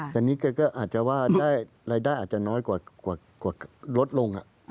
แต่นี่แกก็อาจจะว่าได้รายได้อาจจะน้อยกว่าลดลง